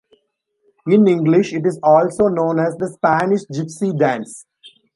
In English it is also known as the Spanish Gypsy Dance.